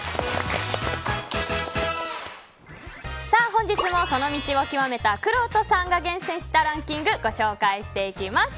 本日も、その道を究めたくろうとさんが厳選したランキングご紹介していきます。